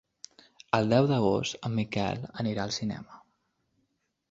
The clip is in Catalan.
El deu d'agost en Miquel anirà al cinema.